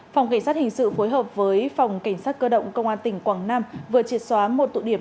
phòng cảnh sát hình sự phối hợp với phòng cảnh sát cơ động công an tỉnh quảng nam vừa triệt xóa một tụ điểm